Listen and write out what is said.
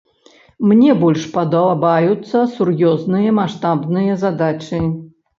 Мне больш падабаюцца сур'ёзныя, маштабныя задачы.